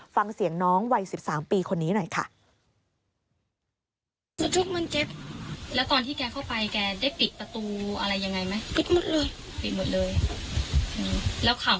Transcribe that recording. ฟังเสียงน้องวัย๑๓ปีคนนี้หน่อยค่ะ